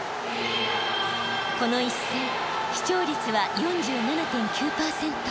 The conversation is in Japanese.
この一戦視聴率は４７．９％。